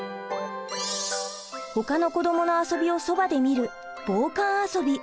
ほかの子どもの遊びをそばで見る「傍観遊び」。